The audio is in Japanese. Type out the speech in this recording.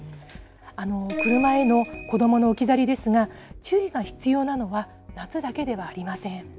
車への子どもの置き去りですが、注意が必要なのは夏だけではありません。